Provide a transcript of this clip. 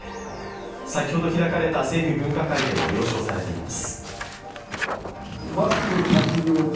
先ほど開かれた政府分科会でも了承されています。